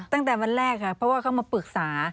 ตั้งแต่วันแรกค่ะเพราะว่าเขามาปรึกษา